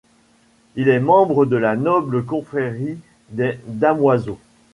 Il est membre de la noble confrérie des Damoiseaux.